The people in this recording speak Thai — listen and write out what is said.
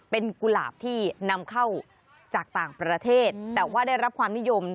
เป็นกุหลาบที่นำเข้าจากต่างประเทศแต่ว่าได้รับความนิยม